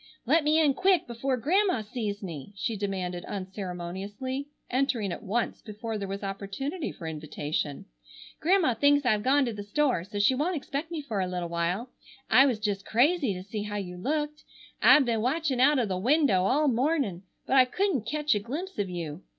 "Let me in quick before Grandma sees me," she demanded unceremoniously, entering at once before there was opportunity for invitation. "Grandma thinks I've gone to the store, so she won't expect me for a little while. I was jest crazy to see how you looked. I've ben watchin' out o' the window all the morning, but I couldn't ketch a glimpse of you.